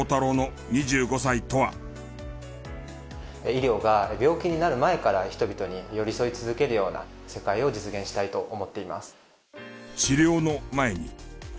医療が病気になる前から人々に寄り添い続けるような世界を実現したいと思っています。